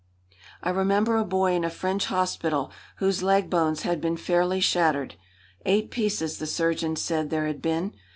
I remember a boy in a French hospital whose leg bones had been fairly shattered. Eight pieces, the surgeon said there had been.